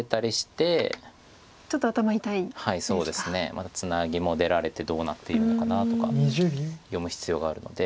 またツナギも出られてどうなっているのかなとか読む必要があるので。